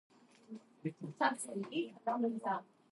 Shepard was recommended to A.